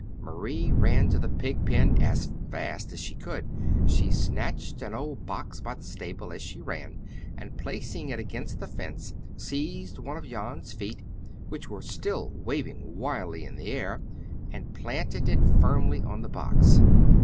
Marie ran to the pigpen as fast as, she could go. She snatched an old box by the stable as she ran, and, placing it against the fence, seized one of Jan's feet, which were still waving wildly in the air, and planted it firmly on the box.